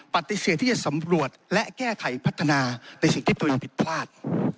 ปฏิเสธที่จะสำรวจและแก้ไขพัฒนาในสิ่งที่ตัวเองผิดพลาด